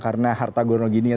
karena harta gurno gini ya